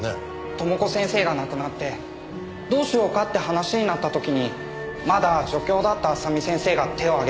知子先生が亡くなってどうしようかって話になった時にまだ助教だった麻美先生が手を挙げたんです。